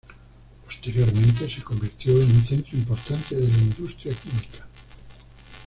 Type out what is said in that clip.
Posteriormente se convirtió en un centro importante de la industria química.